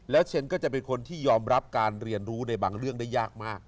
เชนก็จะเป็นคนที่ยอมรับการเรียนรู้ในบางเรื่องได้ยากมาก